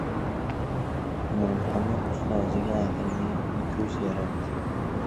Nurmuhammad ustoziga «Aqlli ko‘z» yaratdi